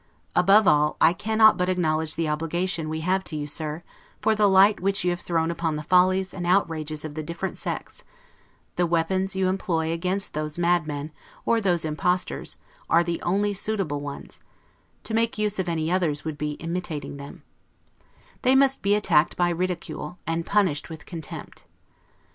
Above all, I cannot but acknowledge the obligation we have to you, Sir, for the light which you have thrown upon the follies and outrages of the different sects; the weapons you employ against those madmen, or those impostors, are the only suitable ones; to make use of any others would be imitating them: they must be attacked by ridicule, and, punished with contempt.